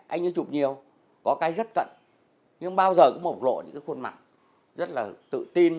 anh ấy chụp nhiều có cái rất cận nhưng bao giờ cũng bộc lộ những cái khuôn mặt rất là tự tin